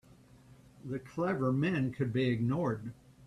The clever men could be ignored.